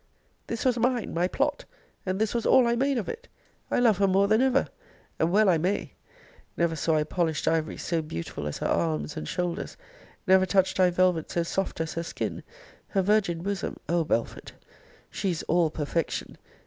This was mine, my plot! and this was all I made of it! I love her more than ever! And well I may! never saw I polished ivory so beautiful as her arms and shoulders; never touched I velvet so soft as her skin: her virgin bosom O Belford, she is all perfection!